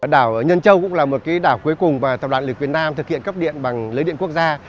đảo nhân trong cũng là một đảo cuối cùng mà tập đoàn lực việt nam thực hiện cấp điện bằng lưới điện quốc gia